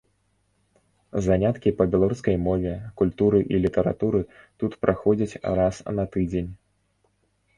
Заняткі па беларускай мове, культуры і літаратуры тут праходзяць раз на тыдзень.